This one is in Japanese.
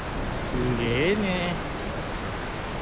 すげえね。